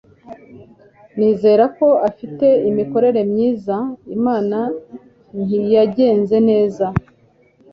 Nizere ko ufite imikorere myiza. Inama ntiyagenze neza.